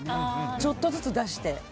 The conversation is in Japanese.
ちょっとずつ出して。